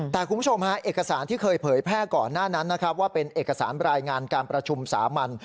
แต่คุณผู้ชมฮะเอกสารที่เคยเผยแพร่ก่อนหน้านั้นนะครับว่าเป็นเอกสารรายงานการประชุมสามัญ